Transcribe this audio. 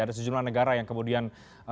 ada sejumlah negara yang kemudian